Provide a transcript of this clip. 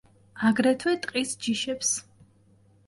აგრეთვე ტყის ჯიშებს.